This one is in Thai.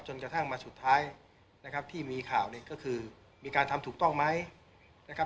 จนกระทั่งมาสุดท้ายนะครับที่มีข่าวเนี่ยก็คือมีการทำถูกต้องไหมนะครับ